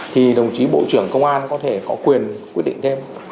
thì đồng chí bộ trưởng công an có thể có quyền quyết định thêm